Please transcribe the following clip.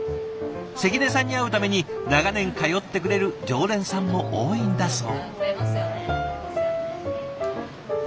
関根さんに会うために長年通ってくれる常連さんも多いんだそう。